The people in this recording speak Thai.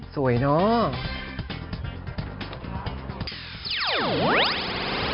สวยเนอะ